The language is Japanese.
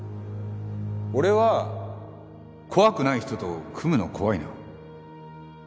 俺は怖くない人と組むの怖いな。